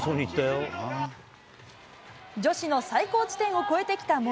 女子の最高地点を越えてきた森。